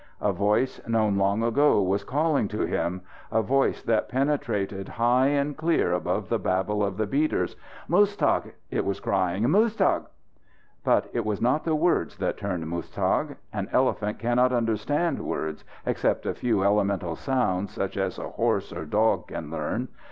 A voice known long ago was calling to him a voice that penetrated high and clear above the babble of the beaters. "Muztagh!" it was crying. "Muztagh!" But it was not the words that turned Muztagh. An elephant cannot understand words, except a few elemental sounds such as a horse or dog can learn.